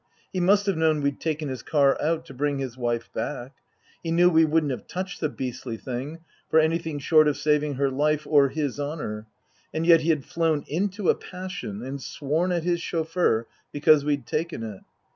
He must have known we'd taken his car out to bring his wife back he knew we wouldn't have touched the beastly thing for anything short of saving her life or his honour ; and yet he had flown into a passion and sworn at his chauffeur because we'd taken it.